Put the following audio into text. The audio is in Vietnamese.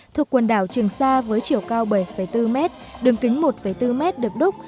thuộc quần đảo trường sa với chiều cao bảy bốn mét đường kính một bốn m được đúc